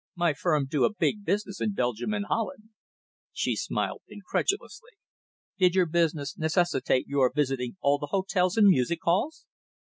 My firm do a big business in Belgium and Holland." She smiled incredulously. "Did your business necessitate your visiting all the hotels and music halls?"